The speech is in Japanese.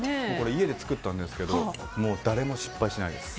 家で作ったんですけどもう、誰も失敗しないです。